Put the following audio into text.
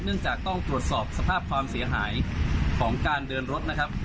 จากต้องตรวจสอบสภาพความเสียหายของการเดินรถนะครับ